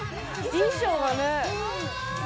衣装がね。